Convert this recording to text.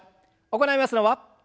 行いますのは。